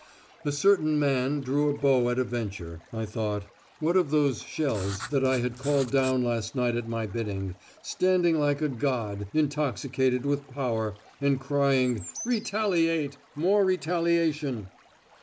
"A certain man drew a bow at a venture," I thought. What of those shells that I had called down last night at my bidding, standing like a god, intoxicated with power, and crying "Retaliate. More retaliation."